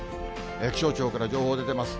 気象庁から情報出ています。